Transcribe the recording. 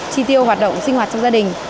chi tiêu hoạt động sinh hoạt trong gia đình